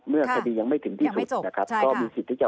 ก็มีสิทธิ์แต่จะอุทธานีกะครับ